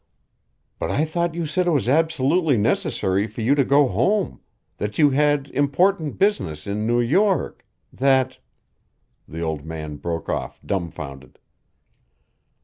"But I thought you said it was absolutely necessary for you to go home that you had important business in New York that " the old man broke off dumbfounded.